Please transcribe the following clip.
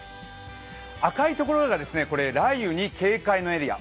赤いところが雷雨に警戒のエリア。